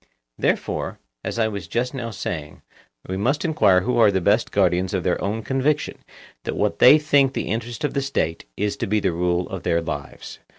Therefore, as I was just now saying, we must enquire who are the best guardians of their own conviction that what they think the interest of the State is to be the rule of their lives.